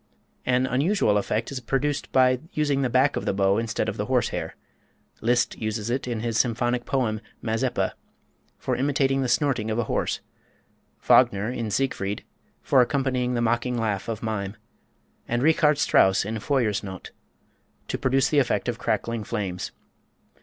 An unusual effect is produced by using the back of the bow instead of the horsehair. Liszt uses it in his symphonic poem, "Mazeppa," for imitating the snorting of the horse; Wagner in "Siegfried," for accompanying the mocking laugh of Mime; and Richard Strauss in "Feuersnot," to produce the effect of crackling flames.